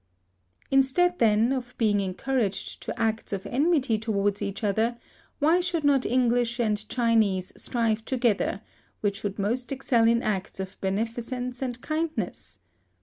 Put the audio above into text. Instead, then, of being encouraged to acts of enmity towards each other, why should not Chinese and English strive together, which should most excel in acts of beneficence and kindness?